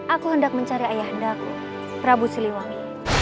aku hendak mencari ayahdaku prabu siliwangi